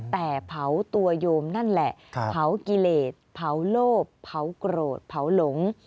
แต่เผาตัวโยมนั่นแหละเผากิเลสเผาโลภเผาโกรธเผาหลง